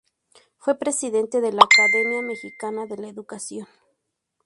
Fue presidente de la Academia Mexicana de la Educación.